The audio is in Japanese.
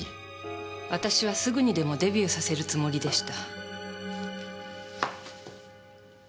私はすぐにでもデビューさせるつもりでした。